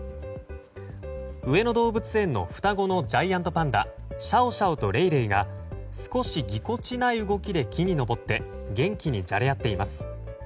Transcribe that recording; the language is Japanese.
上野動物園の双子のジャイアントパンダシャオシャオとレイレイが少しぎこちない動きで木に登って元気にじゃれ合っています。